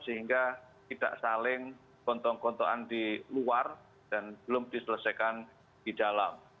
sehingga tidak saling gontong gontokan di luar dan belum diselesaikan di dalam